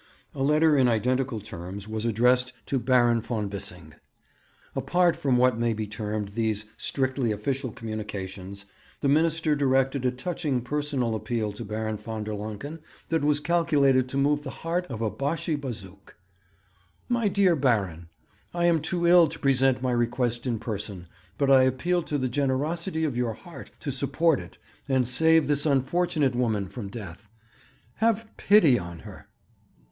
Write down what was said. A letter in identical terms was addressed to Baron von Bissing. Apart from what may be termed these strictly official communications, the Minister directed a touching personal appeal to Baron von der Lancken that was calculated to move the heart of a Bashi Bazouk. 'My dear Baron, 'I am too ill to present my request in person, but I appeal to the generosity of your heart to support it and save this unfortunate woman from death. Have pity on her!